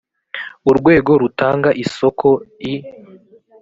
urwego rutanga isoko i